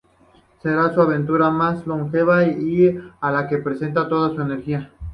Será su aventura más longeva y a la que prestará toda su energía.